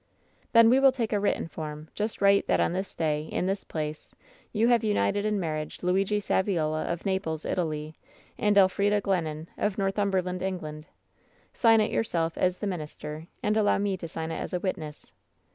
" 'Then we will take a written form. Just write that on this day, in this place, you have united in marriage, Luigi Saviola, of Naples, Italy, and Elfrida Glennon, ,, of Northumberland, England. Sign it yourself, as the minister, and allow me to sign it as a witness.